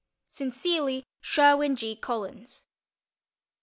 _ Sincerely, SHERWIN G. COLLINS.